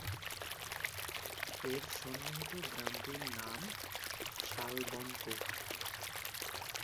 এর সন্নিহিত গ্রামটির নাম শালবনপুর।